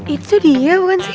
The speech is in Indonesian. itu dia bukan sih